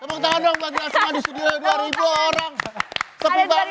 tepuk tangan dong buat rizal dan sudirah dua ribu orang